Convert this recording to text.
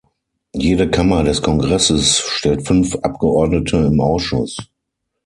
Jede Kammer des Kongresses stellt fünf Abgeordnete im Ausschuss.